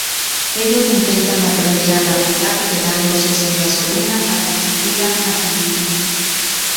Ellos intentan aprender a navegar, quedándose sin gasolina, hasta que llegan a Filipinas.